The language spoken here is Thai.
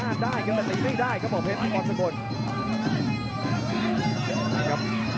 น่าจะได้แต่ยังไม่ได้ครับบ่อเพชรบอร์เซอร์ศักดนตร์